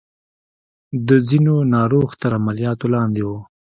د ځينو ناروغ تر عملياتو لاندې وو.